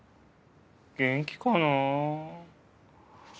元気かな？